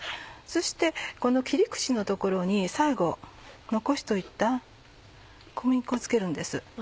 そしてこの切り口の所に最後残しておいた小麦粉を付けるんです。